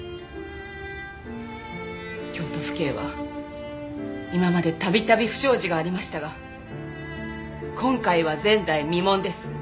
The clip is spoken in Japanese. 京都府警は今まで度々不祥事がありましたが今回は前代未聞です。